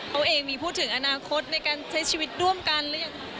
เขาเองมีพูดถึงอนาคตในการใช้ชีวิตร่วมกันหรือยัง